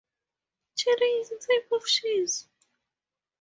Cheddar is a type of cheese.